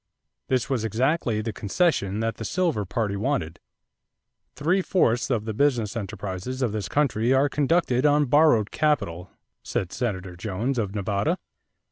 This was exactly the concession that the silver party wanted. "Three fourths of the business enterprises of this country are conducted on borrowed capital," said Senator Jones, of Nevada.